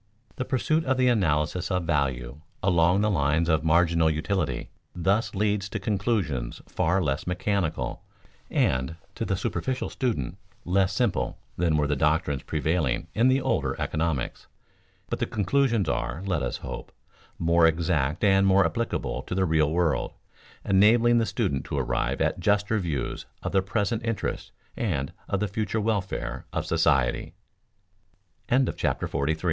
The pursuit of the analysis of value along the lines of marginal utility thus leads to conclusions far less mechanical, and, to the superficial student, less simple than were the doctrines prevailing in the older economics. But the conclusions are, let us hope, more exact and more applicable to the real world, enabling the student to arrive at juster views of the present interests and of the future welfa